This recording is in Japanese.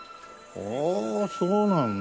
おおそうなんだ。